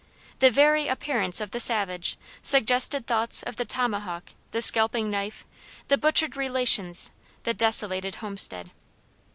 The very appearance of the savage suggested thoughts of the tomahawk, the scalping knife, the butchered relations, the desolated homestead.